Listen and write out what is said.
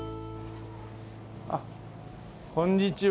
あっこんにちは。